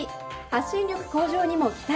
発信力向上にも期待。